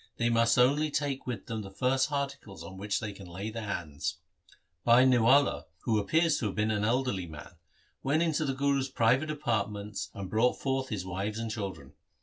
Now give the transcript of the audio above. They must only take with them the first articles on which they can lay their hands.' Bhai Niwala, who appears to have been an elderly man, went into the Guru's private apartments and brought forth his wives and children.